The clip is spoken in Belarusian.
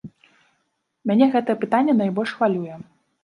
Мяне гэтае пытанне найбольш хвалюе!